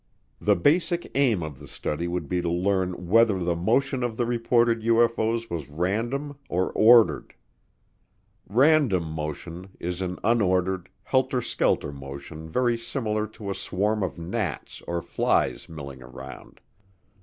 The basic aim of the study would be to learn whether the motion of the reported UFO's was random or ordered. Random motion is an unordered, helter skelter motion very similar to a swarm of gnats or flies milling around.